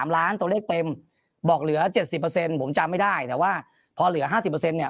๓ล้านตัวเลขเต็มบอกเหลือ๗๐ผมจำไม่ได้แต่ว่าพอเหลือ๕๐เนี่ย